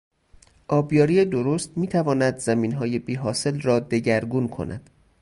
آبیاری درست میتواند زمینهای بی حاصل را دگرگون کند.